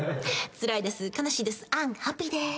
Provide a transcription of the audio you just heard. つらいです。